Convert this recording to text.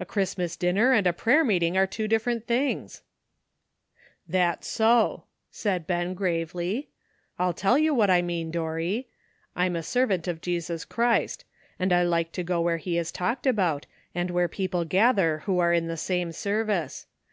"A Christmas dinner and a prayer meeting are two different things." '' luck:' 330 *' That's so," said Ben gravely; 'Til tell you what I mean, Dorry. I'm a servant of Jesus Christ, and I like to go where he is talked about, and where people gather who are in the same service.